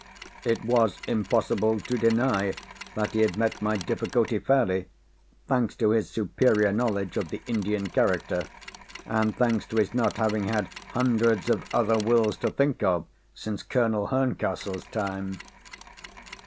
It was impossible to deny that he had met my difficulty fairly; thanks to his superior knowledge of the Indian character—and thanks to his not having had hundreds of other Wills to think of since Colonel Herncastle's time!